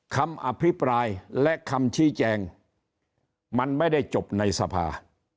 คำอภิปรายและคำชี้แจงมันไม่ได้จบในสภา